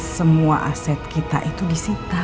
semua aset kita itu disita